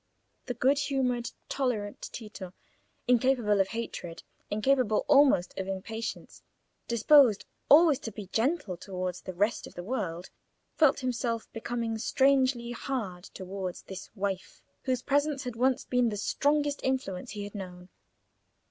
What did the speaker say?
The good humoured, tolerant Tito, incapable of hatred, incapable almost of impatience, disposed always to be gentle towards the rest of the world, felt himself becoming strangely hard towards this wife whose presence had once been the strongest influence he had known.